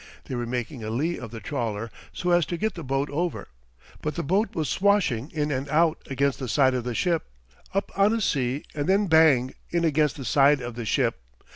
They were making a lee of the trawler so as to get the boat over. But the boat was swashing in and out against the side of the ship up on a sea and then bang! in against the side of the ship.